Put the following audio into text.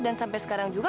dan sampai sekarang juga